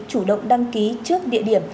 chủ động đăng ký trước địa điểm